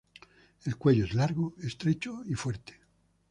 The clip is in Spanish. El cuello es largo, estrecho y fuerte.